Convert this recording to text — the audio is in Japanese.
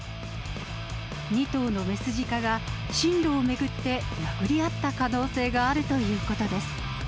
２頭の雌ジカが進路を巡って、殴り合った可能性があるということです。